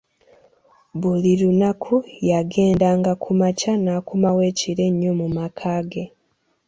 Buli lunaku yagenda nga kumakya n'akomawo ekiro ennyo mu maka ge.